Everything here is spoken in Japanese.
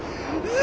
あ！